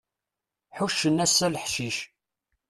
Ḥuccen ass-a leḥcic.